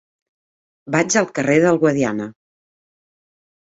Vaig al carrer del Guadiana.